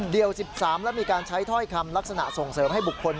๑๓แล้วมีการใช้ถ้อยคำลักษณะส่งเสริมให้บุคคล